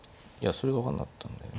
それが分かんなかったんだよね。